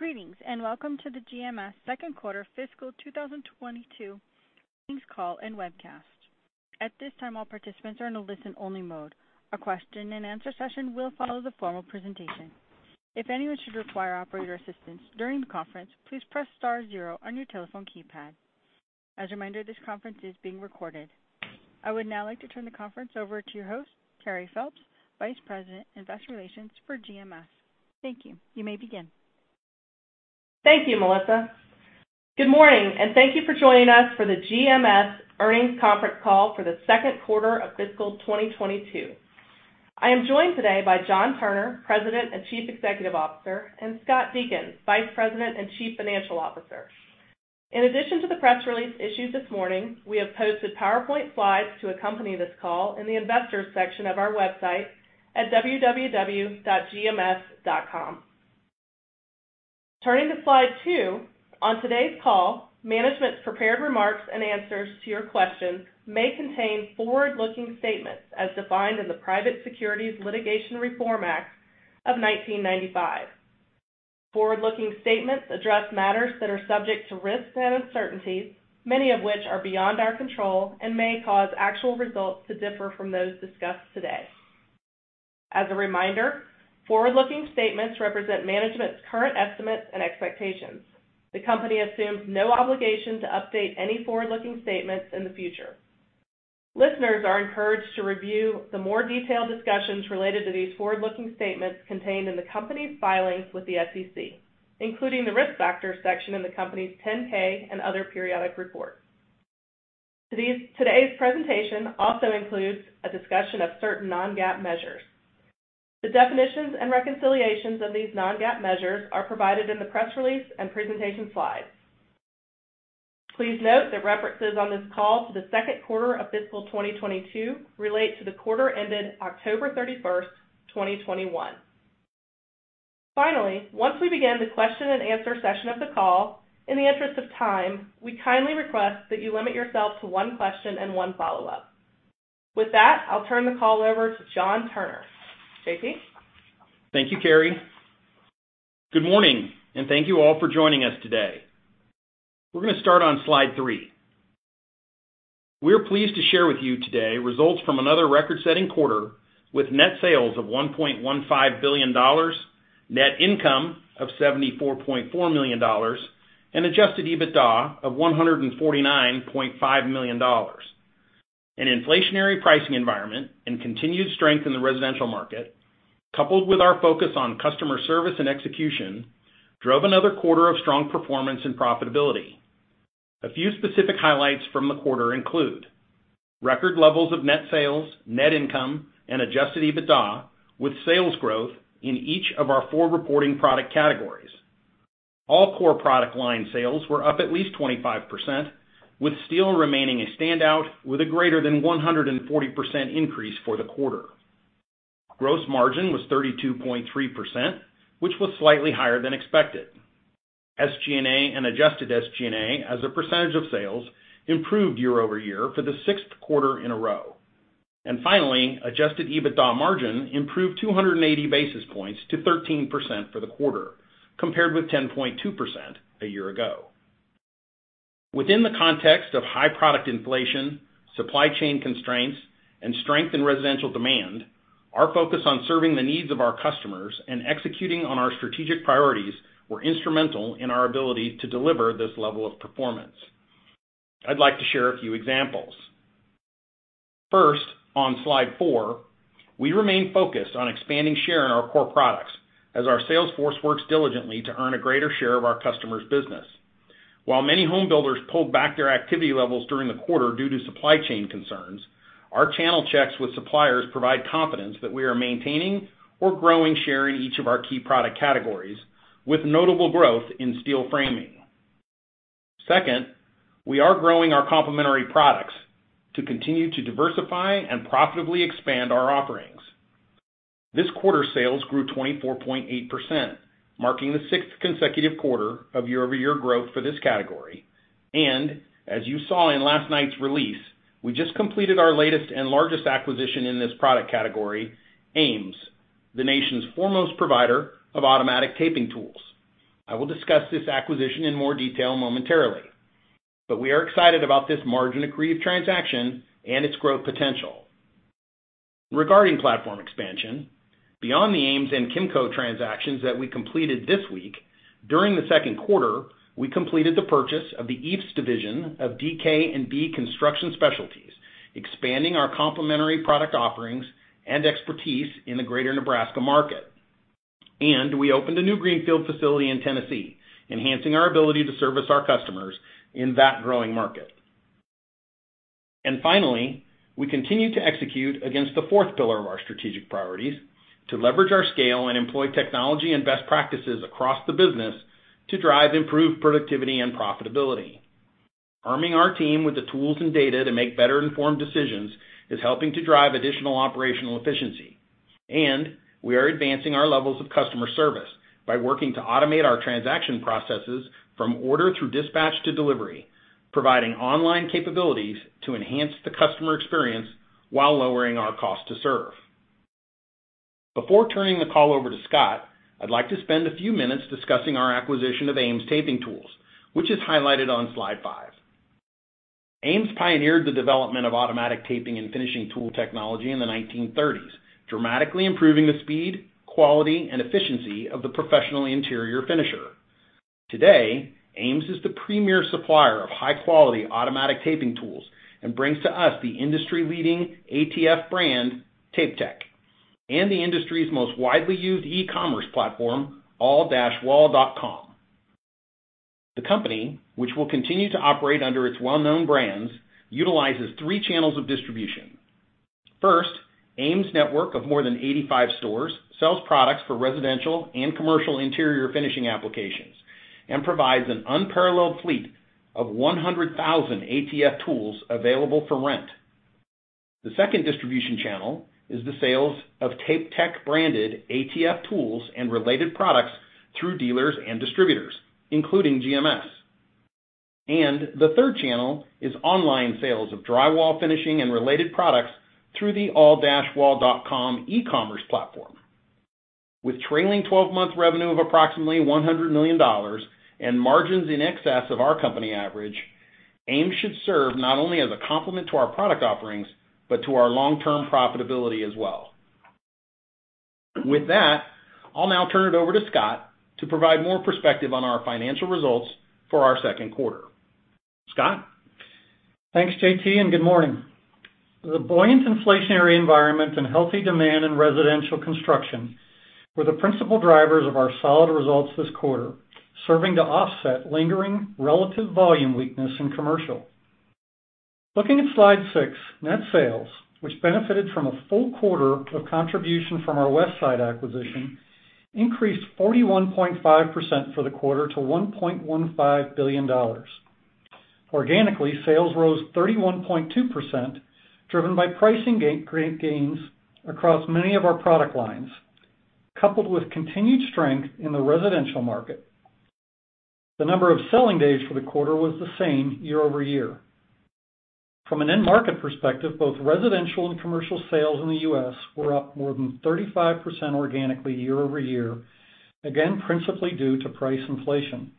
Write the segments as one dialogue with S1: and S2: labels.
S1: Greetings, and welcome to the GMS Second Quarter Fiscal 2022 Earnings Call and Webcast. At this time, all participants are in a listen-only mode. A question-and-answer session will follow the formal presentation. If anyone should require operator assistance during the conference, please press star zero on your telephone keypad. As a reminder, this conference is being recorded. I would now like to turn the conference over to your host, Carey Phelps, Vice President, Investor Relations for GMS. Thank you. You may begin.
S2: Thank you, Melissa. Good morning, and thank you for joining us for the GMS Earnings Conference Call for the Second Quarter of Fiscal 2022. I am joined today by John Turner, President and Chief Executive Officer, and Scott Deakin, Vice President and Chief Financial Officer. In addition to the press release issued this morning, we have posted PowerPoint slides to accompany this call in the investors section of our website at www.gms.com. Turning to slide two. On today's call, management's prepared remarks and answers to your questions may contain forward-looking statements as defined in the Private Securities Litigation Reform Act of 1995. Forward-looking statements address matters that are subject to risks and uncertainties, many of which are beyond our control and may cause actual results to differ from those discussed today. As a reminder, forward-looking statements represent management's current estimates and expectations. The company assumes no obligation to update any forward-looking statements in the future. Listeners are encouraged to review the more detailed discussions related to these forward-looking statements contained in the company's filings with the SEC, including the Risk Factors section in the company's 10-K and other periodic reports. Today's presentation also includes a discussion of certain non-GAAP measures. The definitions and reconciliations of these non-GAAP measures are provided in the press release and presentation slides. Please note that references on this call to the second quarter of fiscal 2022 relate to the quarter ended October 31st, 2021. Finally, once we begin the question-and-answer session of the call, in the interest of time, we kindly request that you limit yourself to one question and one follow-up. With that, I'll turn the call over to John Turner. JT?
S3: Thank you, Carey. Good morning, and thank you all for joining us today. We're gonna start on slide three. We're pleased to share with you today results from another record-setting quarter with net sales of $1.15 billion, net income of $74.4 million, and adjusted EBITDA of $149.5 million. An inflationary pricing environment and continued strength in the residential market, coupled with our focus on customer service and execution, drove another quarter of strong performance and profitability. A few specific highlights from the quarter include record levels of net sales, net income, and adjusted EBITDA, with sales growth in each of our four reporting product categories. All core product line sales were up at least 25%, with steel remaining a standout with a greater than 140% increase for the quarter. Gross margin was 32.3%, which was slightly higher than expected. SG&A and adjusted SG&A as a percentage of sales improved year-over-year for the sixth quarter in a row. Finally, adjusted EBITDA margin improved 280 basis points to 13% for the quarter, compared with 10.2% a year ago. Within the context of high product inflation, supply chain constraints, and strength in residential demand, our focus on serving the needs of our customers and executing on our strategic priorities were instrumental in our ability to deliver this level of performance. I'd like to share a few examples. First, on slide four, we remain focused on expanding share in our core products as our sales force works diligently to earn a greater share of our customers' business. While many home builders pulled back their activity levels during the quarter due to supply chain concerns, our channel checks with suppliers provide confidence that we are maintaining or growing share in each of our key product categories, with notable growth in steel framing. Second, we are growing our complementary products to continue to diversify and profitably expand our offerings. This quarter's sales grew 24.8%, marking the sixth consecutive quarter of year-over-year growth for this category. As you saw in last night's release, we just completed our latest and largest acquisition in this product category, AMES, the nation's foremost provider of automatic taping tools. I will discuss this acquisition in more detail momentarily, but we are excited about this margin-accretive transaction and its growth potential. Regarding platform expansion, beyond the AMES and Kimco transactions that we completed this week, during the second quarter, we completed the purchase of the EIFS division of DK&B Construction Specialties, expanding our complementary product offerings and expertise in the greater Nebraska market. We opened a new greenfield facility in Tennessee, enhancing our ability to service our customers in that growing market. Finally, we continue to execute against the fourth pillar of our strategic priorities to leverage our scale and employ technology and best practices across the business to drive improved productivity and profitability. Arming our team with the tools and data to make better informed decisions is helping to drive additional operational efficiency, and we are advancing our levels of customer service by working to automate our transaction processes from order through dispatch to delivery, providing online capabilities to enhance the customer experience while lowering our cost to serve. Before turning the call over to Scott, I'd like to spend a few minutes discussing our acquisition of AMES Taping Tools, which is highlighted on slide five. AMES pioneered the development of automatic taping and finishing tool technology in the 1930s, dramatically improving the speed, quality, and efficiency of the professional interior finisher. Today, AMES is the premier supplier of high-quality automatic taping tools and brings to us the industry-leading ATF brand, TapeTech, and the industry's most widely used e-commerce platform, all-wall.com. The company, which will continue to operate under its well-known brands, utilizes three channels of distribution. First, AMES' network of more than 85 stores sells products for residential and commercial interior finishing applications and provides an unparalleled fleet of 100,000 ATF tools available for rent. The second distribution channel is the sales of TapeTech-branded ATF tools and related products through dealers and distributors, including GMS. The third channel is online sales of drywall finishing and related products through the all-wall.com e-commerce platform. With trailing twelve-month revenue of approximately $100 million and margins in excess of our company average, Ames should serve not only as a complement to our product offerings, but to our long-term profitability as well. With that, I'll now turn it over to Scott to provide more perspective on our financial results for our second quarter. Scott?
S4: Thanks, JT, and good morning. The buoyant inflationary environment and healthy demand in residential construction were the principal drivers of our solid results this quarter, serving to offset lingering relative volume weakness in commercial. Looking at slide six, net sales, which benefited from a full quarter of contribution from our Westside acquisition, increased 41.5% for the quarter to $1.15 billion. Organically, sales rose 31.2%, driven by pricing great gains across many of our product lines, coupled with continued strength in the residential market. The number of selling days for the quarter was the same year-over-year. From an end market perspective, both residential and commercial sales in the U.S. were up more than 35% organically year-over-year, again, principally due to price inflation.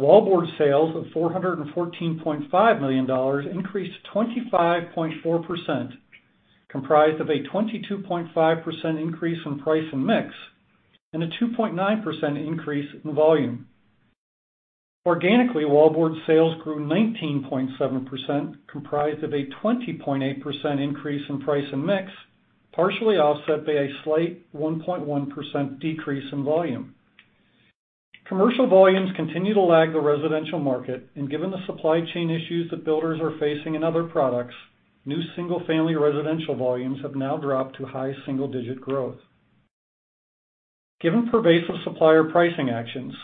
S4: Wallboard sales of $414.5 million increased 25.4%, comprised of a 22.5% increase in price and mix, and a 2.9% increase in volume. Organically, wallboard sales grew 19.7%, comprised of a 20.8% increase in price and mix, partially offset by a slight 1.1% decrease in volume. Commercial volumes continue to lag the residential market, and given the supply chain issues that builders are facing in other products, new single-family residential volumes have now dropped to high single-digit growth. Given pervasive supplier pricing actions,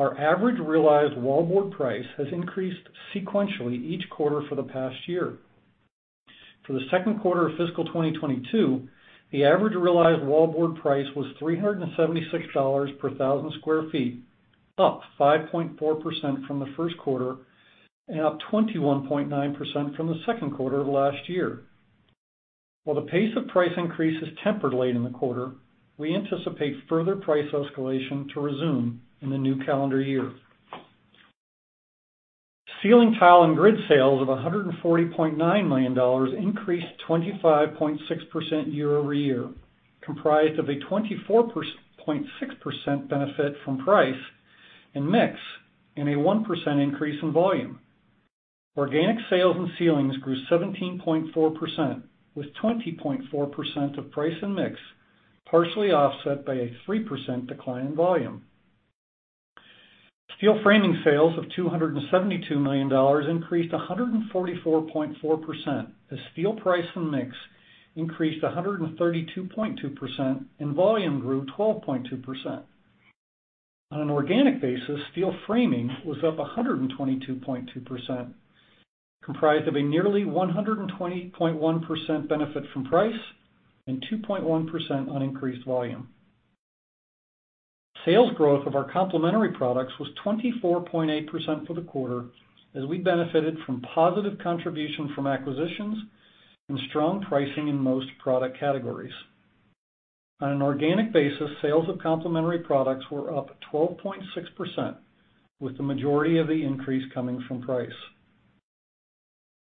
S4: our average realized wallboard price has increased sequentially each quarter for the past year. For the second quarter of fiscal 2022, the average realized wallboard price was $376 per thousand sq ft, up 5.4% from the first quarter and up 21.9% from the second quarter of last year. While the pace of price increases tempered late in the quarter, we anticipate further price escalation to resume in the new calendar year. Ceiling tile and grid sales of $140.9 million increased 25.6% year-over-year, comprised of a 24.6% benefit from price and mix and a 1% increase in volume. Organic sales in ceilings grew 17.4%, with 20.4% of price and mix, partially offset by a 3% decline in volume. Steel framing sales of $272 million increased 144.4% as steel price and mix increased 132.2% and volume grew 12.2%. On an organic basis, steel framing was up 122.2%, comprised of a nearly 120.1% benefit from price and 2.1% on increased volume. Sales growth of our complementary products was 24.8% for the quarter as we benefited from positive contribution from acquisitions and strong pricing in most product categories. On an organic basis, sales of complementary products were up 12.6%, with the majority of the increase coming from price.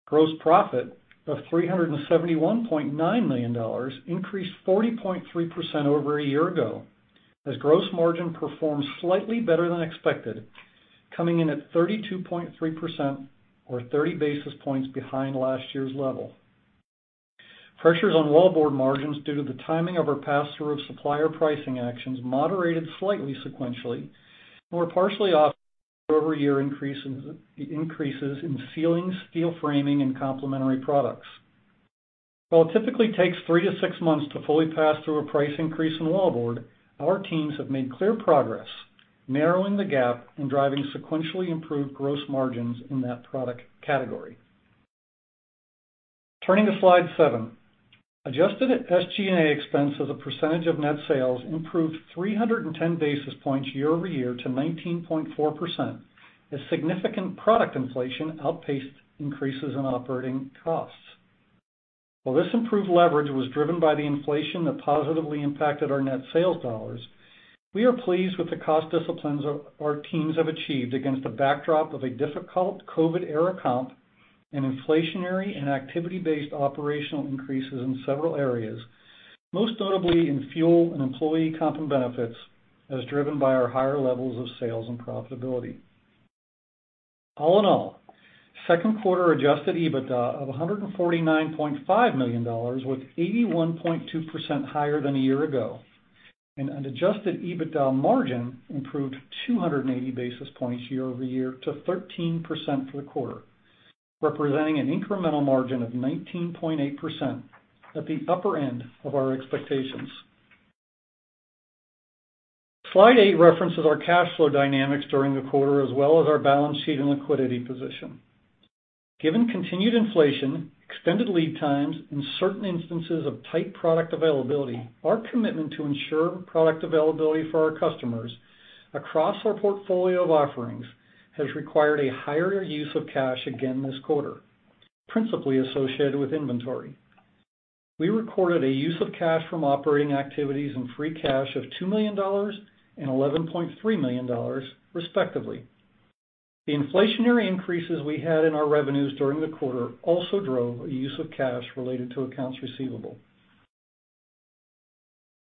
S4: Gross profit of $371.9 million increased 40.3% over a year ago as gross margin performed slightly better than expected, coming in at 32.3% or 30 basis points behind last year's level. Pressures on wallboard margins due to the timing of our pass-through of supplier pricing actions moderated slightly sequentially and were partially offset by year-over-year increases in ceilings, steel framing, and complementary products. While it typically takes three to six months to fully pass through a price increase in wallboard, our teams have made clear progress narrowing the gap and driving sequentially improved gross margins in that product category. Turning to slide seven. Adjusted SG&A expense as a percentage of net sales improved 310 basis points year-over-year to 19.4%, as significant product inflation outpaced increases in operating costs. While this improved leverage was driven by the inflation that positively impacted our net sales dollars, we are pleased with the cost disciplines our teams have achieved against the backdrop of a difficult COVID era comp and inflationary and activity-based operational increases in several areas, most notably in fuel and employee comp and benefits, as driven by our higher levels of sales and profitability. All in all, second quarter adjusted EBITDA of $149.5 million was 81.2% higher than a year ago, and an adjusted EBITDA margin improved 280 basis points year-over-year to 13% for the quarter, representing an incremental margin of 19.8% at the upper end of our expectations. Slide eight references our cash flow dynamics during the quarter, as well as our balance sheet and liquidity position. Given continued inflation, extended lead times, and certain instances of tight product availability, our commitment to ensure product availability for our customers across our portfolio of offerings has required a higher use of cash again this quarter, principally associated with inventory. We recorded a use of cash from operating activities and free cash of $2 million and $11.3 million, respectively. The inflationary increases we had in our revenues during the quarter also drove a use of cash related to accounts receivable.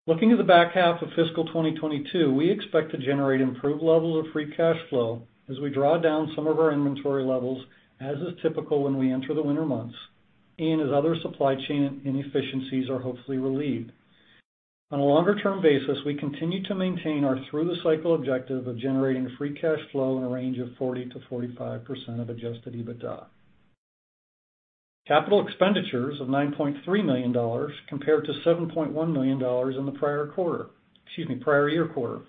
S4: Looking at the back half of fiscal 2022, we expect to generate improved levels of free cash flow as we draw down some of our inventory levels, as is typical when we enter the winter months and as other supply chain inefficiencies are hopefully relieved. On a longer term basis, we continue to maintain our through the cycle objective of generating free cash flow in a range of 40%-45% of adjusted EBITDA. Capital expenditures of $9.3 million compared to $7.1 million in the prior quarter. Excuse me, prior year quarter.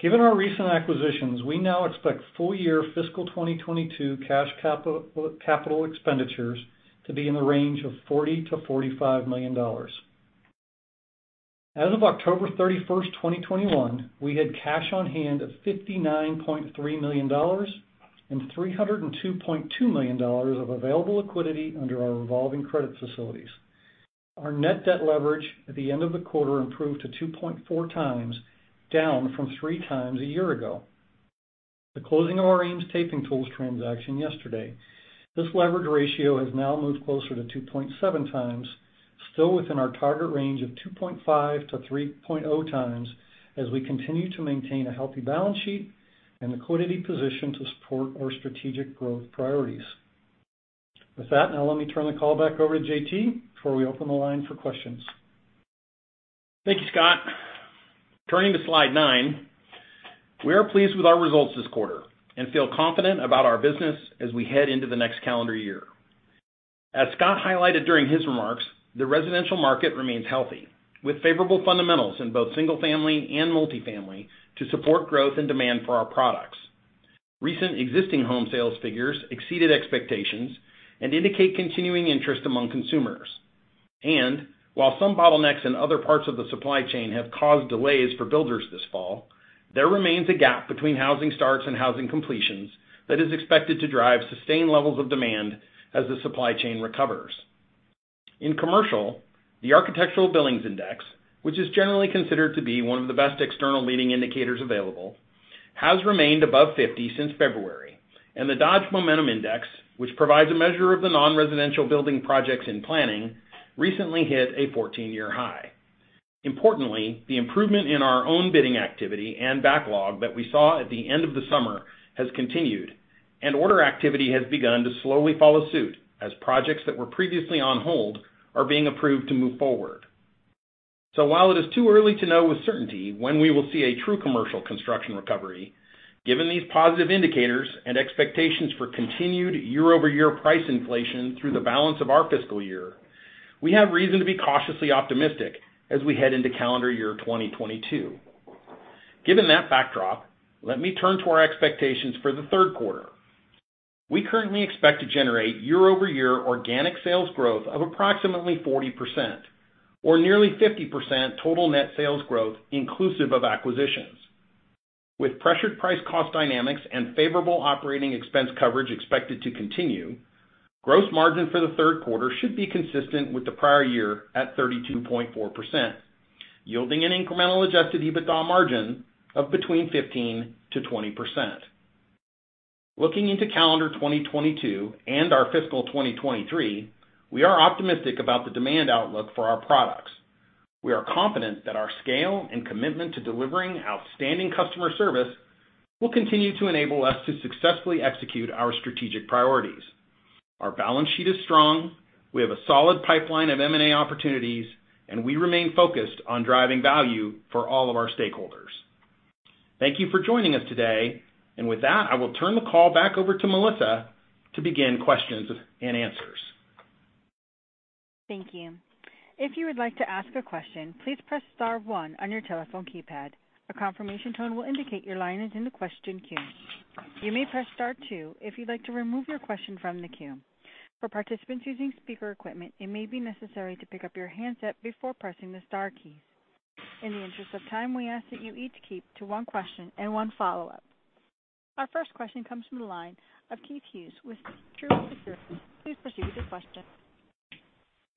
S4: Given our recent acquisitions, we now expect full year fiscal 2022 cash capital expenditures to be in the range of $40 million-$45 million. As of October 31st, 2021, we had cash on hand of $59.3 million and $302.2 million of available liquidity under our revolving credit facilities. Our net debt leverage at the end of the quarter improved to 2.4x, down from 3x a year ago. The closing of our AMES Taping Tools transaction yesterday. This leverage ratio has now moved closer to 2.7x, still within our target range of 2.5x-3.0x as we continue to maintain a healthy balance sheet and liquidity position to support our strategic growth priorities. With that, now let me turn the call back over to JT before we open the line for questions.
S3: Thank you, Scott. Turning to slide nine. We are pleased with our results this quarter and feel confident about our business as we head into the next calendar year. As Scott highlighted during his remarks, the residential market remains healthy, with favorable fundamentals in both single family and multifamily to support growth and demand for our products. Recent existing home sales figures exceeded expectations and indicate continuing interest among consumers. While some bottlenecks in other parts of the supply chain have caused delays for builders this fall, there remains a gap between housing starts and housing completions that is expected to drive sustained levels of demand as the supply chain recovers. In commercial, the Architecture Billings Index, which is generally considered to be one of the best external leading indicators available, has remained above 50 since February. The Dodge Momentum Index, which provides a measure of the nonresidential building projects in planning, recently hit a 14-year high. Importantly, the improvement in our own bidding activity and backlog that we saw at the end of the summer has continued, and order activity has begun to slowly follow suit as projects that were previously on hold are being approved to move forward. While it is too early to know with certainty when we will see a true commercial construction recovery, given these positive indicators and expectations for continued year-over-year price inflation through the balance of our fiscal year, we have reason to be cautiously optimistic as we head into calendar year 2022. Given that backdrop, let me turn to our expectations for the third quarter. We currently expect to generate year-over-year organic sales growth of approximately 40%, or nearly 50% total net sales growth inclusive of acquisitions. With pressured price cost dynamics and favorable operating expense coverage expected to continue, gross margin for the third quarter should be consistent with the prior year at 32.4%, yielding an incremental adjusted EBITDA margin of between 15%-20%. Looking into calendar 2022 and our fiscal 2023, we are optimistic about the demand outlook for our products. We are confident that our scale and commitment to delivering outstanding customer service will continue to enable us to successfully execute our strategic priorities. Our balance sheet is strong. We have a solid pipeline of M&A opportunities, and we remain focused on driving value for all of our stakeholders. Thank you for joining us today. With that, I will turn the call back over to Melissa to begin questions and answers.
S1: Thank you. If you would like to ask a question, please press star one on your telephone keypad. A confirmation tone will indicate your line is in the question queue. You may press star two if you'd like to remove your question from the queue. For participants using speaker equipment, it may be necessary to pick up your handset before pressing the star keys. In the interest of time, we ask that you each keep to one question and one follow-up. Our first question comes from the line of Keith Hughes with Truist Securities. Please proceed with your question.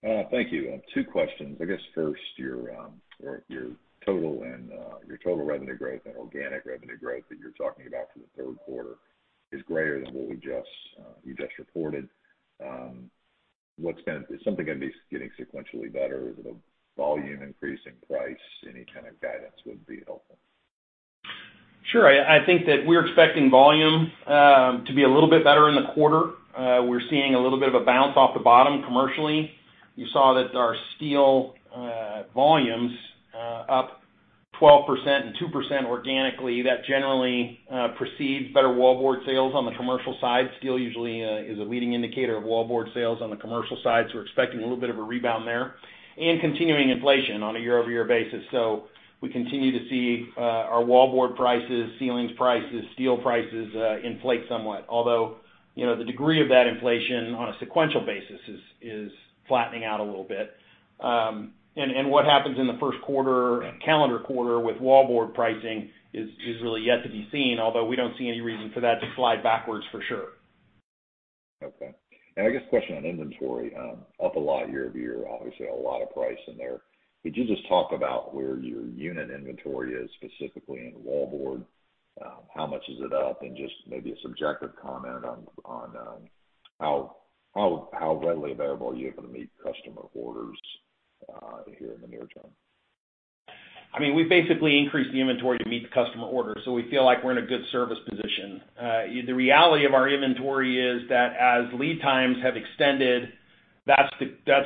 S5: Thank you. Two questions. I guess first, your total revenue growth and organic revenue growth that you're talking about for the third quarter is greater than what you just reported. Is something gonna be getting sequentially better? Is it a volume increase in price? Any kind of guidance would be helpful.
S3: Sure. I think that we're expecting volume to be a little bit better in the quarter. We're seeing a little bit of a bounce off the bottom commercially. You saw that our steel volumes up 12% and 2% organically. That generally precedes better wallboard sales on the commercial side. Steel usually is a leading indicator of wallboard sales on the commercial side, so we're expecting a little bit of a rebound there and continuing inflation on a year-over-year basis. We continue to see our wallboard prices, ceiling prices, steel prices inflate somewhat. Although, you know, the degree of that inflation on a sequential basis is flattening out a little bit. What happens in the first quarter, calendar quarter with wallboard pricing is really yet to be seen, although we don't see any reason for that to slide backwards for sure.
S5: Okay. I guess a question on inventory, up a lot year-over-year, obviously a lot of price in there. Could you just talk about where your unit inventory is specifically in wallboard? How much is it up? Just maybe a subjective comment on how readily available are you able to meet customer orders here in the near term?
S3: I mean, we've basically increased the inventory to meet the customer orders, so we feel like we're in a good service position. The reality of our inventory is that as lead times have extended, that's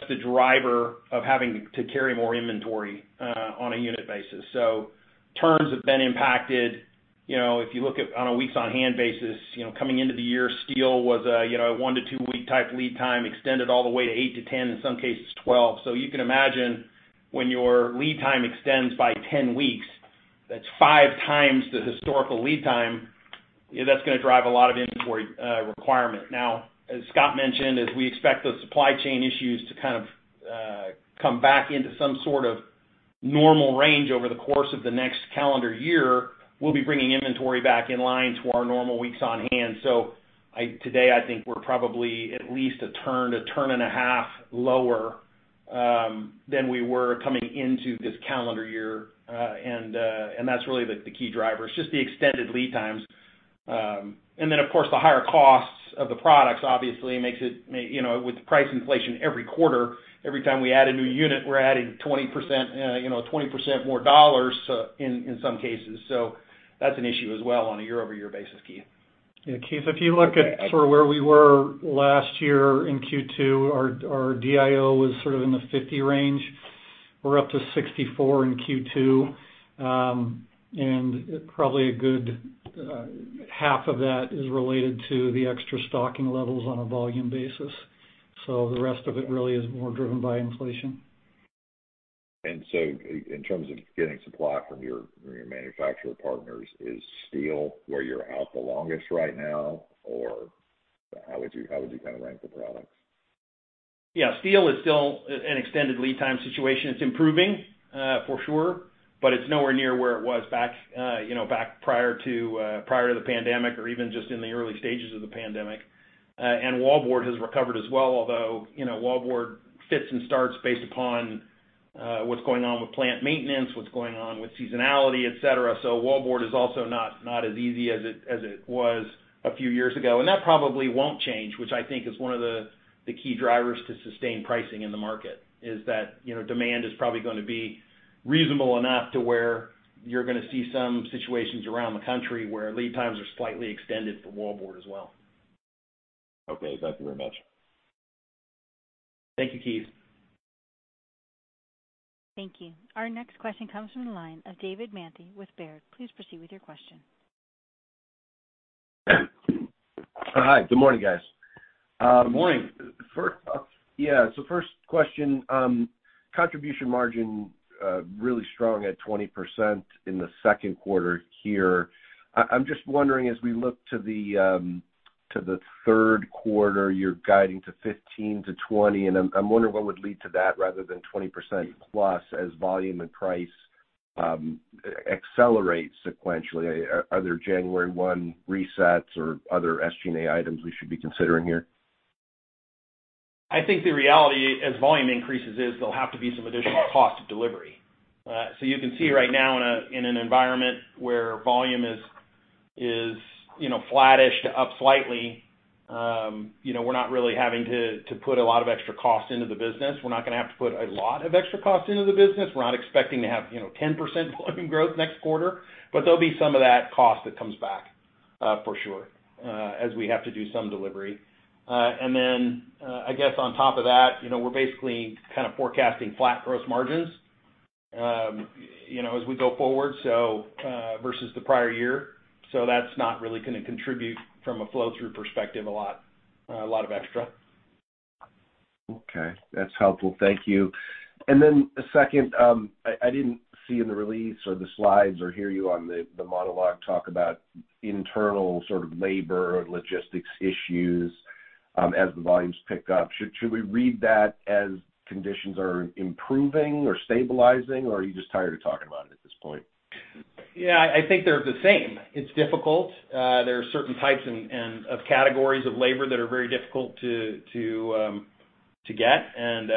S3: the driver of having to carry more inventory on a unit basis. So terms have been impacted. You know, if you look at on a weeks on hand basis, you know, coming into the year, steel was a one to two week type lead time, extended all the way to eight to 10, in some cases 12. So you can imagine when your lead time extends by 10 weeks, that's 5x the historical lead time, that's gonna drive a lot of inventory requirement. Now, as Scott mentioned, as we expect those supply chain issues to kind of come back into some sort of normal range over the course of the next calendar year, we'll be bringing inventory back in line to our normal weeks on hand. Today, I think we're probably at least one to 1.5 turns lower than we were coming into this calendar year. That's really the key driver is just the extended lead times. Of course, the higher costs of the products obviously makes it, you know, with price inflation every quarter, every time we add a new unit, we're adding 20% more dollars in some cases. That's an issue as well on a year-over-year basis, Keith.
S4: Yeah, Keith, if you look at sort of where we were last year in Q2, our DIO was sort of in the 50 range. We're up to 64 in Q2. Probably a good half of that is related to the extra stocking levels on a volume basis. The rest of it really is more driven by inflation.
S5: In terms of getting supply from your manufacturer partners, is steel where you're out the longest right now? Or how would you kind of rank the products?
S3: Yeah. Steel is still an extended lead time situation. It's improving for sure, but it's nowhere near where it was back, you know, back prior to the pandemic or even just in the early stages of the pandemic. Wallboard has recovered as well. Although, you know, wallboard fits and starts based upon what's going on with plant maintenance, what's going on with seasonality, et cetera. Wallboard is also not as easy as it was a few years ago, and that probably won't change, which I think is one of the key drivers to sustain pricing in the market, is that, you know, demand is probably gonna be reasonable enough to where you're gonna see some situations around the country where lead times are slightly extended for wallboard as well.
S5: Okay. Thank you very much.
S3: Thank you, Keith.
S1: Thank you. Our next question comes from the line of David Manthey with Baird. Please proceed with your question.
S6: Hi, good morning, guys.
S3: Good morning.
S6: First. Yeah, so first question. Contribution margin really strong at 20% in the second quarter here. I'm just wondering, as we look to the third quarter, you're guiding to 15%-20%, and I'm wondering what would lead to that rather than 20%+ as volume and price accelerates sequentially. Are there January 1 resets or other SG&A items we should be considering here?
S3: I think the reality as volume increases is there'll have to be some additional cost of delivery. You can see right now in an environment where volume is you know, flattish to up slightly, you know, we're not really having to put a lot of extra cost into the business. We're not gonna have to put a lot of extra cost into the business. We're not expecting to have, you know, 10% volume growth next quarter. There'll be some of that cost that comes back, for sure, as we have to do some delivery. I guess on top of that, you know, we're basically kind of forecasting flat gross margins as we go forward, so versus the prior year. That's not really gonna contribute from a flow-through perspective a lot of extra.
S6: Okay. That's helpful. Thank you. A second, I didn't see in the release or the slides or hear you on the monologue talk about internal sort of labor or logistics issues, as the volumes pick up. Should we read that as conditions are improving or stabilizing, or are you just tired of talking about it at this point?
S3: Yeah. I think they're the same. It's difficult. There are certain types and of categories of labor that are very difficult to get and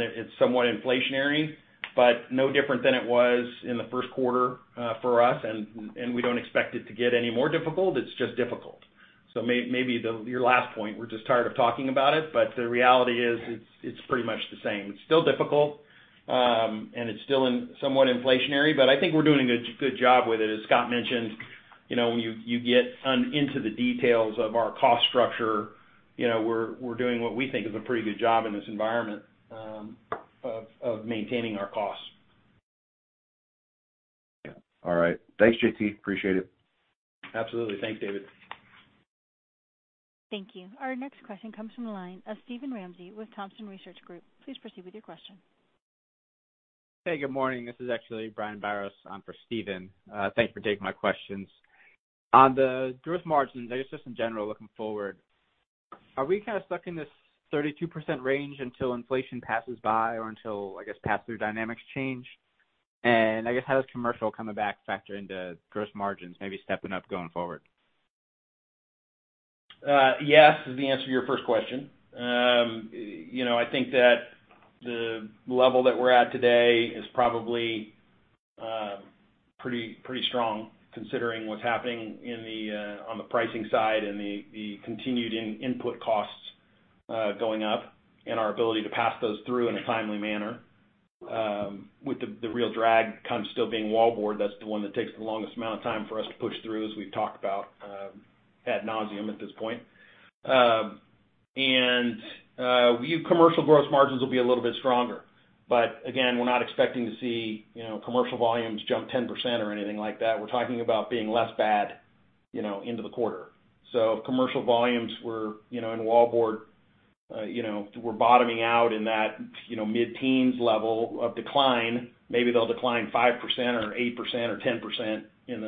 S3: it's somewhat inflationary, but no different than it was in the first quarter for us and we don't expect it to get any more difficult. It's just difficult. Maybe your last point, we're just tired of talking about it, but the reality is it's pretty much the same. It's still difficult and it's still somewhat inflationary, but I think we're doing a good job with it. As Scott mentioned, you know, when you get on into the details of our cost structure, you know, we're doing what we think is a pretty good job in this environment of maintaining our costs.
S6: Yeah. All right. Thanks, JT. Appreciate it.
S3: Absolutely. Thanks, David.
S1: Thank you. Our next question comes from the line of Steven Ramsey with Thompson Research Group. Please proceed with your question.
S7: Hey, good morning. This is actually Brian Biros. I'm for Steven. Thank you for taking my questions. On the growth margins, I guess just in general looking forward, are we kinda stuck in this 32% range until inflation passes by or until, I guess, pass-through dynamics change? I guess, how does commercial coming back factor into gross margins, maybe stepping up going forward?
S3: Yes is the answer to your first question. You know, I think that the level that we're at today is probably pretty strong considering what's happening on the pricing side and the continued input costs going up and our ability to pass those through in a timely manner, with the real drag kind of still being wallboard. That's the one that takes the longest amount of time for us to push through, as we've talked about ad nauseam at this point. We view commercial gross margins will be a little bit stronger. Again, we're not expecting to see, you know, commercial volumes jump 10% or anything like that. We're talking about being less bad, you know, into the quarter. Commercial volumes were, you know, and wallboard, you know, were bottoming out in that, you know, mid-teens level of decline. Maybe they'll decline 5% or 8% or 10% in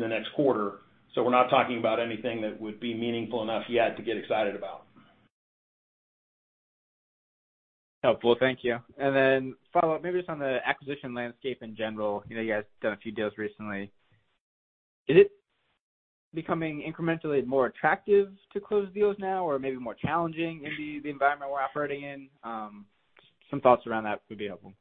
S3: the next quarter. We're not talking about anything that would be meaningful enough yet to get excited about.
S7: Helpful. Thank you. Follow-up, maybe just on the acquisition landscape in general. You know, you guys done a few deals recently. Is it becoming incrementally more attractive to close deals now or maybe more challenging in the environment we're operating in? Some thoughts around that would be helpful.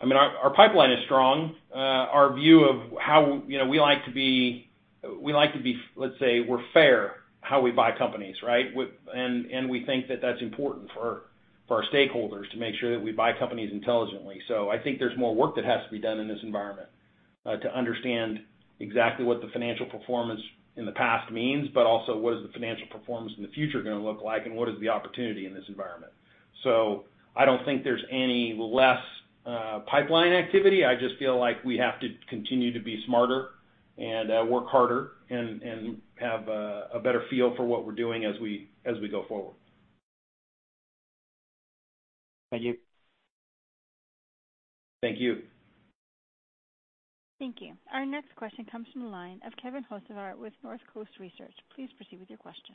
S3: I mean, our pipeline is strong. Our view of how, you know, we like to be, let's say, we're fair how we buy companies, right? We think that that's important for our stakeholders to make sure that we buy companies intelligently. I think there's more work that has to be done in this environment to understand exactly what the financial performance in the past means, but also what is the financial performance in the future gonna look like and what is the opportunity in this environment. I don't think there's any less pipeline activity. I just feel like we have to continue to be smarter and work harder and have a better feel for what we're doing as we go forward.
S7: Thank you.
S3: Thank you.
S1: Thank you. Our next question comes from the line of Kevin Hocevar with Northcoast Research. Please proceed with your question.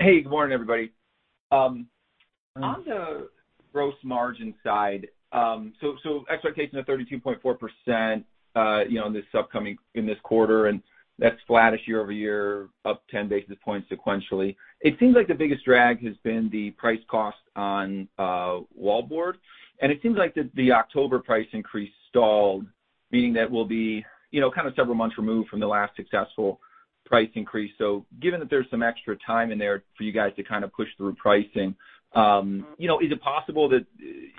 S8: Hey, good morning, everybody. On the gross margin side, expectation of 32.4%, you know, this upcoming in this quarter, and that's flattish year-over-year, up 10 basis points sequentially. It seems like the biggest drag has been the price cost on wallboard. It seems like the October price increase stalled, meaning that we'll be, you know, kind of several months removed from the last successful price increase. Given that there's some extra time in there for you guys to kind of push through pricing, you know, is it possible that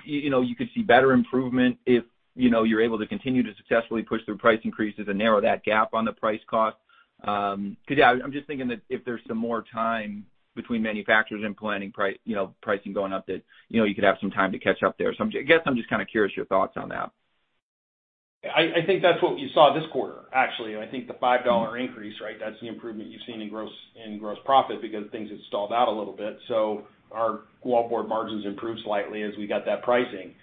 S8: you know, you could see better improvement if, you know, you're able to continue to successfully push through price increases and narrow that gap on the price cost? 'Cause yeah, I'm just thinking that if there's some more time between manufacturers implementing pricing going up, you know, you could have some time to catch up there. I guess I'm just kinda curious your thoughts on that.
S3: I think that's what you saw this quarter, actually. I think the $5 increase, right? That's the improvement you've seen in gross profit because things had stalled out a little bit. Our wallboard margins improved slightly as we got that pricing.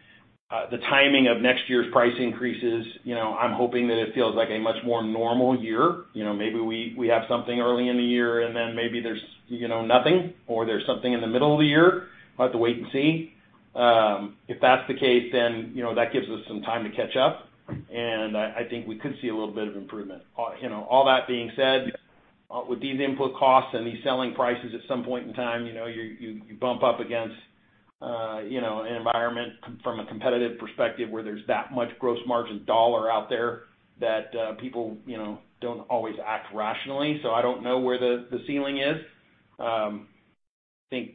S3: The timing of next year's price increases, you know, I'm hoping that it feels like a much more normal year. You know, maybe we have something early in the year, and then maybe there's nothing or there's something in the middle of the year. We'll have to wait and see. If that's the case, then, you know, that gives us some time to catch up. I think we could see a little bit of improvement. You know, all that being said, with these input costs and these selling prices at some point in time, you know, you bump up against, you know, an environment from a competitive perspective where there's that much gross margin dollar out there that, people, you know, don't always act rationally. I don't know where the ceiling is. I think,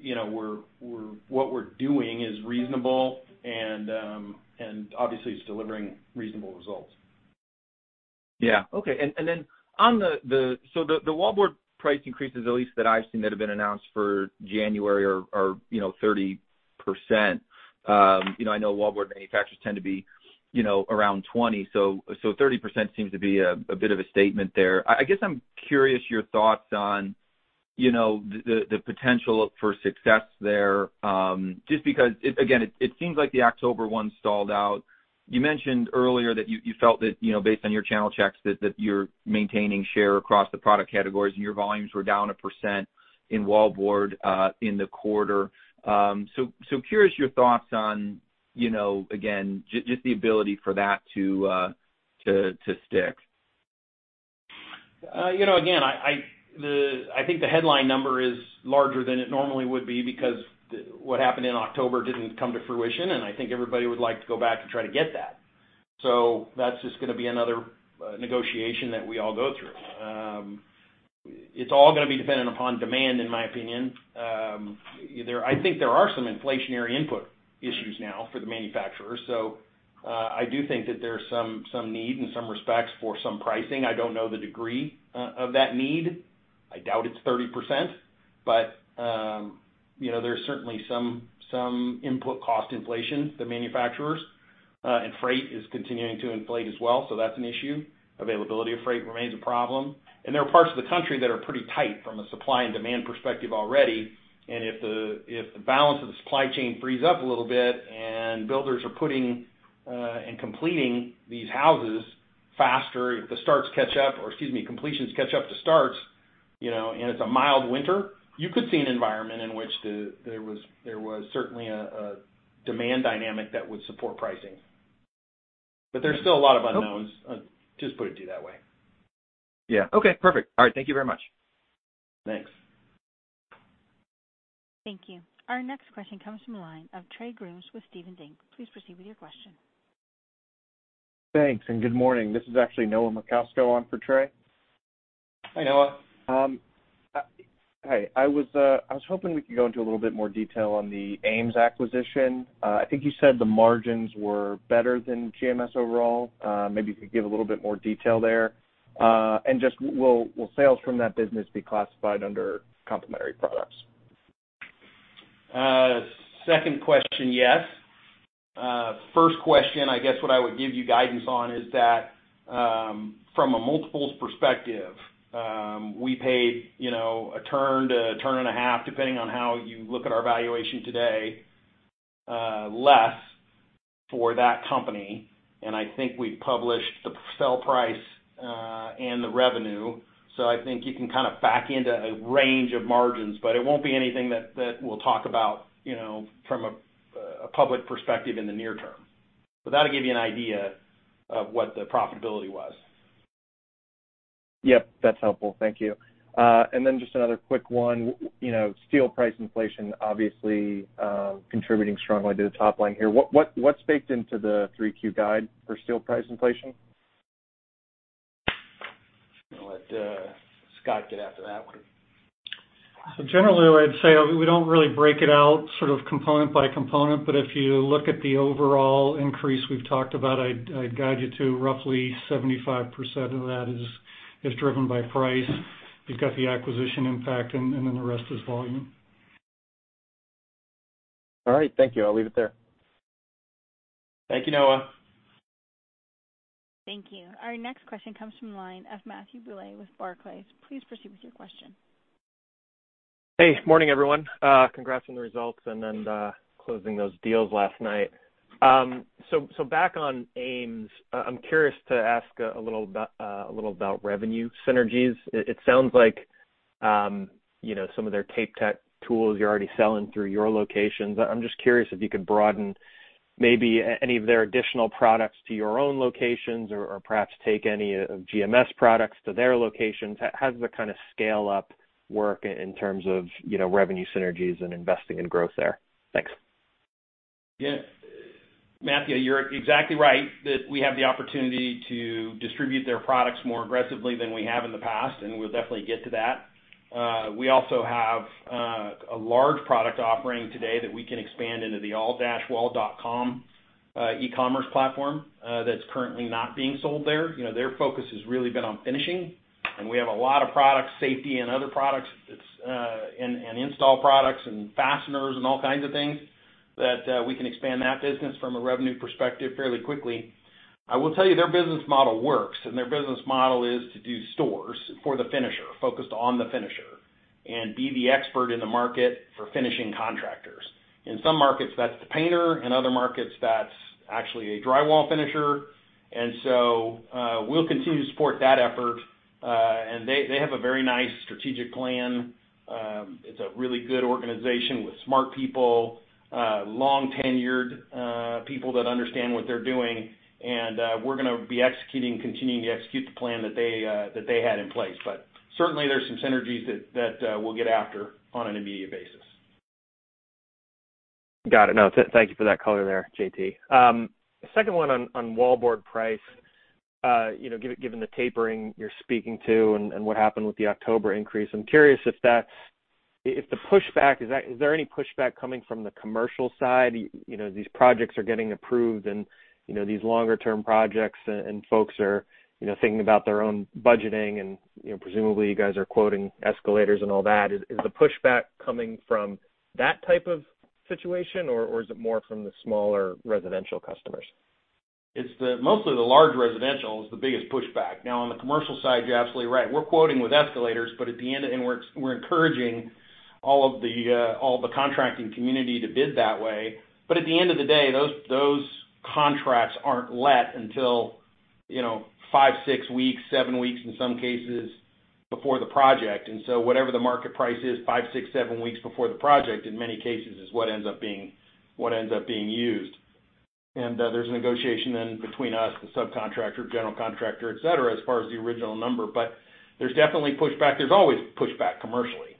S3: you know, what we're doing is reasonable and obviously, it's delivering reasonable results.
S8: Yeah. Okay. Then on the wallboard price increases, at least that I've seen, that have been announced for January are, you know, 30%. You know, I know wallboard manufacturers tend to be, you know, around 20%, so 30% seems to be a bit of a statement there. I guess I'm curious about your thoughts on, you know, the potential for success there, just because again, it seems like the October one stalled out. You mentioned earlier that you felt that, you know, based on your channel checks that you're maintaining share across the product categories and your volumes were down 1% in wallboard in the quarter. So curious about your thoughts on, you know, again, just the ability for that to stick.
S3: You know, again, I think the headline number is larger than it normally would be because what happened in October didn't come to fruition, and I think everybody would like to go back and try to get that. That's just gonna be another negotiation that we all go through. It's all gonna be dependent upon demand, in my opinion. I think there are some inflationary input issues now for the manufacturers, so I do think that there's some need in some respects for some pricing. I don't know the degree of that need. I doubt it's 30%, but you know, there's certainly some input cost inflation to manufacturers. Freight is continuing to inflate as well, so that's an issue. Availability of freight remains a problem. There are parts of the country that are pretty tight from a supply and demand perspective already, and if the balance of the supply chain frees up a little bit and builders are putting and completing these houses faster, if the starts catch up, or excuse me, completions catch up to starts, you know, and it's a mild winter, you could see an environment in which there was certainly a demand dynamic that would support pricing. But there's still a lot of unknowns. Just put it to you that way.
S8: Yeah. Okay, perfect. All right. Thank you very much.
S3: Thanks.
S1: Thank you. Our next question comes from the line of Trey Grooms with Stephens Inc. Please proceed with your question.
S9: Thanks, and good morning. This is actually Noah Merkousko on for Trey.
S3: Hi, Noah.
S9: Hey. I was hoping we could go into a little bit more detail on the AMES acquisition. I think you said the margins were better than GMS overall. Maybe you could give a little bit more detail there. And just will sales from that business be classified under complementary products?
S3: Second question, yes. First question, I guess what I would give you guidance on is that, from a multiples perspective, we paid, you know, a turn to a turn and a half, depending on how you look at our valuation today, less for that company. I think we published the sale price and the revenue. I think you can kind of back into a range of margins, but it won't be anything that we'll talk about, you know, from a public perspective in the near term. That'll give you an idea of what the profitability was.
S9: Yep, that's helpful. Thank you. Just another quick one. You know, steel price inflation obviously contributing strongly to the top line here. What's baked into the 3Q guide for steel price inflation?
S3: I'm gonna let Scott get after that one.
S4: Generally, I'd say we don't really break it out sort of component by component, but if you look at the overall increase we've talked about, I'd guide you to roughly 75% of that is driven by price. You've got the acquisition impact, and then the rest is volume.
S9: All right. Thank you. I'll leave it there.
S3: Thank you, Noah.
S1: Thank you. Our next question comes from the line of Matthew Bouley with Barclays. Please proceed with your question.
S10: Hey. Morning, everyone. Congrats on the results and then closing those deals last night. Back on Ames, I'm curious to ask a little about revenue synergies. It sounds like, you know, some of their TapeTech tools you're already selling through your locations. I'm just curious if you could broaden maybe any of their additional products to your own locations or perhaps take any of GMS products to their locations. How does the kinda scale-up work in terms of, you know, revenue synergies and investing in growth there? Thanks.
S3: Yeah. Matthew, you're exactly right that we have the opportunity to distribute their products more aggressively than we have in the past, and we'll definitely get to that. We also have a large product offering today that we can expand into the all-wall.com e-commerce platform that's currently not being sold there. You know, their focus has really been on finishing, and we have a lot of products, safety and other products, and install products and fasteners and all kinds of things that we can expand that business from a revenue perspective fairly quickly. I will tell you their business model works, and their business model is to do stores for the finisher, focused on the finisher, and be the expert in the market for finishing contractors. In some markets, that's the painter. In other markets, that's actually a drywall finisher. We'll continue to support that effort. They have a very nice strategic plan. It's a really good organization with smart people, long-tenured people that understand what they're doing. We're gonna be executing, continuing to execute the plan that they had in place. But certainly, there's some synergies that we'll get after on an immediate basis.
S10: Got it. No, thank you for that color there, JT. Second one on wallboard price. You know, given the tapering you're speaking to and what happened with the October increase, I'm curious is there any pushback coming from the commercial side? You know, these projects are getting approved and, you know, these longer-term projects and folks are, you know, thinking about their own budgeting and, you know, presumably you guys are quoting escalators and all that. Is the pushback coming from that type of situation, or is it more from the smaller residential customers?
S3: It's mostly the large residential is the biggest pushback. Now on the commercial side, you're absolutely right. We're quoting with escalators, but at the end of the day and we're encouraging all the contracting community to bid that way. At the end of the day, those contracts aren't let until, you know, five, six weeks, seven weeks in some cases before the project. Whatever the market price is, five, six, seven weeks before the project in many cases is what ends up being used. There's a negotiation then between us, the subcontractor, general contractor, et cetera, as far as the original number. There's definitely pushback. There's always pushback commercially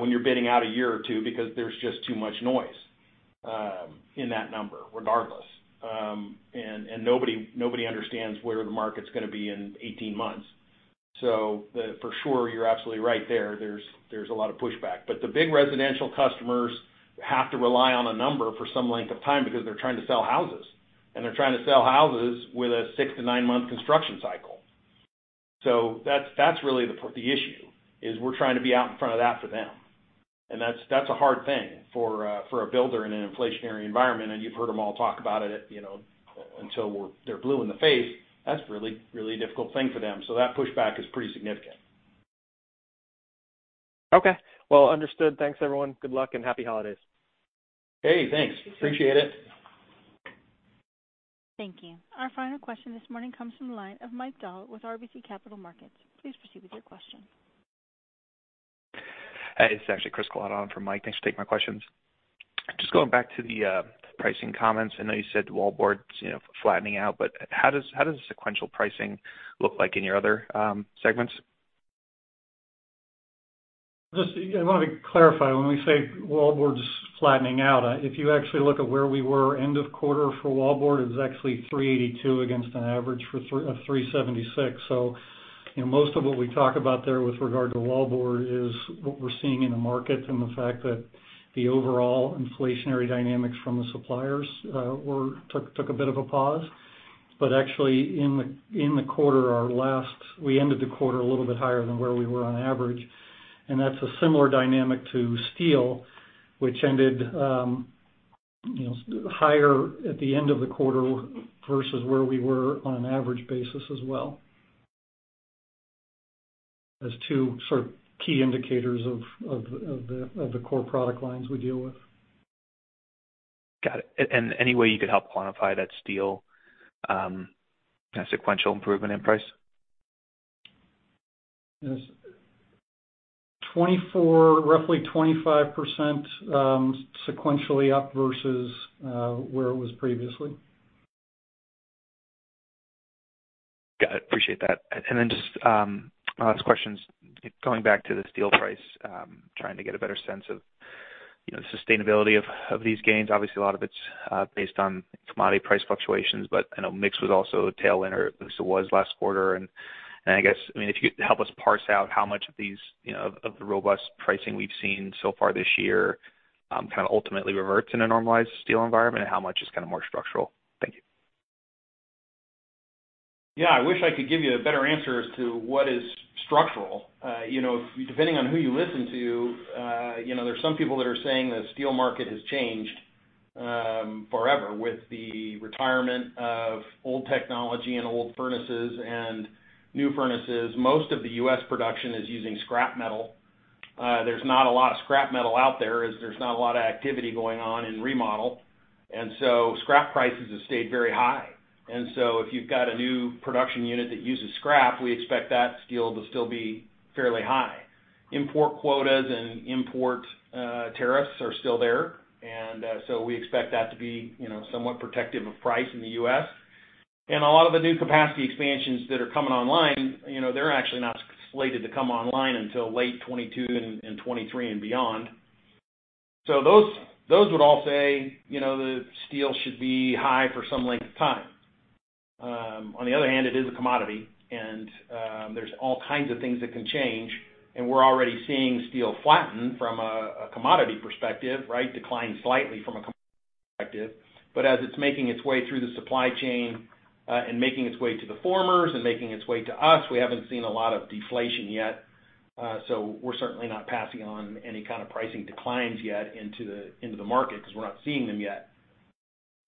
S3: when you're bidding out a year or two because there's just too much noise in that number, regardless. Nobody understands where the market's gonna be in 18 months. So, for sure, you're absolutely right there. There's a lot of pushback. But the big residential customers have to rely on a number for some length of time because they're trying to sell houses, and they're trying to sell houses with a six to nine month construction cycle. So that's really the issue, is we're trying to be out in front of that for them. And that's a hard thing for a builder in an inflationary environment, and you've heard them all talk about it at, you know, until they're blue in the face. That's really a difficult thing for them. So that pushback is pretty significant.
S10: Okay. Well understood. Thanks, everyone. Good luck and happy holidays.
S3: Hey, thanks. Appreciate it.
S1: Thank you. Our final question this morning comes from the line of Mike Dahl with RBC Capital Markets. Please proceed with your question.
S11: Hey, it's actually Chris Kalata on for Mike. Thanks for taking my questions. Just going back to the pricing comments. I know you said wallboard's, you know, flattening out, but how does the sequential pricing look like in your other segments?
S4: Just, yeah, let me clarify. When we say wallboard's flattening out, if you actually look at where we were end of quarter for wallboard, it was actually 382 against an average of 376. So, you know, most of what we talk about there with regard to wallboard is what we're seeing in the market and the fact that the overall inflationary dynamics from the suppliers were took a bit of a pause. Actually in the quarter, we ended the quarter a little bit higher than where we were on average, and that's a similar dynamic to steel, which ended, you know, higher at the end of the quarter versus where we were on average basis as well. There's two sort of key indicators of the core product lines we deal with.
S11: Got it. Any way you could help quantify that steel, you know, sequential improvement in price?
S4: Yes. 24%, roughly 25%, sequentially up versus where it was previously.
S11: Got it. Appreciate that. Just my last question's going back to the steel price. Trying to get a better sense of, you know, the sustainability of these gains. Obviously, a lot of it's based on commodity price fluctuations, but I know mix was also a tailwind, or at least it was last quarter. I guess, I mean, if you could help us parse out how much of these, you know, of the robust pricing we've seen so far this year kind of ultimately reverts in a normalized steel environment and how much is kind of more structural. Thank you.
S3: Yeah. I wish I could give you a better answer as to what is structural. You know, depending on who you listen to, you know, there's some people that are saying the steel market has changed forever with the retirement of old technology and old furnaces and new furnaces. Most of the U.S. production is using scrap metal. There's not a lot of scrap metal out there as there's not a lot of activity going on in remodel. And so scrap prices have stayed very high. And so if you've got a new production unit that uses scrap, we expect that steel to still be fairly high. Import quotas and import tariffs are still there. And so we expect that to be, you know, somewhat protective of price in the U.S. A lot of the new capacity expansions that are coming online, you know, they're actually not slated to come online until late 2022 and 2023 and beyond. So those would all say, you know, the steel should be high for some length of time. On the other hand, it is a commodity and there's all kinds of things that can change, and we're already seeing steel flatten from a commodity perspective, right? Decline slightly from a commodity perspective. As it's making its way through the supply chain and making its way to the formers and making its way to us, we haven't seen a lot of deflation yet. So we're certainly not passing on any kind of pricing declines yet into the market 'cause we're not seeing them yet.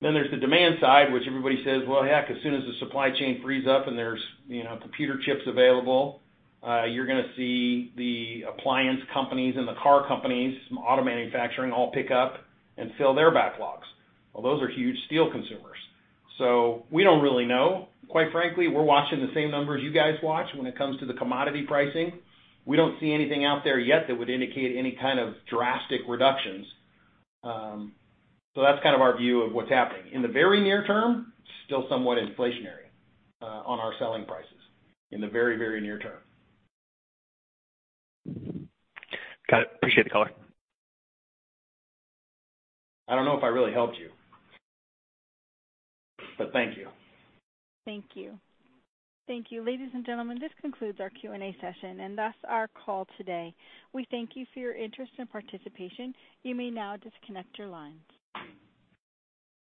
S3: There's the demand side, which everybody says, well, heck, as soon as the supply chain frees up and there's, you know, computer chips available, you're gonna see the appliance companies and the car companies, some auto manufacturing all pick up and fill their backlogs. Well, those are huge steel consumers. We don't really know. Quite frankly, we're watching the same numbers you guys watch when it comes to the commodity pricing. We don't see anything out there yet that would indicate any kind of drastic reductions. That's kind of our view of what's happening. In the very near term, still somewhat inflationary on our selling prices, in the very, very near term.
S11: Got it. Appreciate the color.
S3: I don't know if I really helped you. Thank you.
S1: Thank you. Thank you. Ladies and gentlemen, this concludes our Q&A session and thus our call today. We thank you for your interest and participation. You may now disconnect your lines.